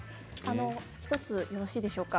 １つよろしいでしょうか。